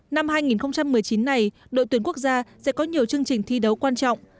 năm hai nghìn một mươi chín này đội tuyển quốc gia sẽ có nhiều chương trình thi đấu quan trọng